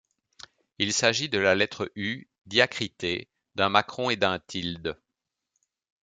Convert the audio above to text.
Il s’agit de la lettre U diacritée d’un macron et d’un tilde.